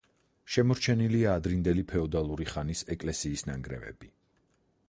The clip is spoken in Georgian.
შემორჩენილია ადრინდელი ფეოდალური ხანის ეკლესიის ნანგრევები.